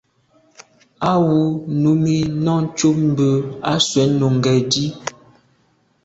Á wʉ́ Nùmí nɔ́ɔ̀ cúp mbʉ̀ á swɛ́ɛ̀n Nùŋgɛ̀ dí.